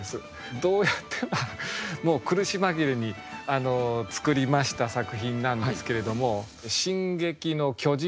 どうやってもう苦し紛れに作りました作品なんですけれども。